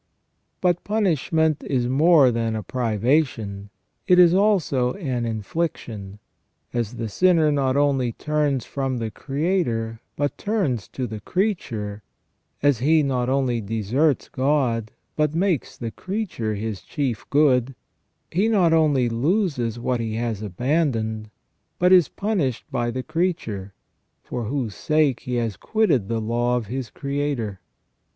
245 But punishment is more than a privation, it is also an infliction. As the sinner not only turns from the Creator but turns to the creature, as he not only deserts God but makes the creature his chief good, he not only loses what he has abandoned, but is punished by the creature, for whose sake he has quitted the law of his Creator.